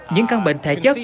những căn bệnh thể chất